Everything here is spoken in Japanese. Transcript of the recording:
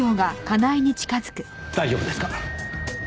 大丈夫ですか？